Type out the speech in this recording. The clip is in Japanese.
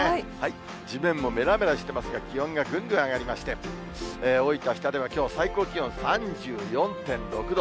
地面もめらめらしてますが、気温がぐんぐん上がりまして、大分・日田ではきょう最高気温３４．６度。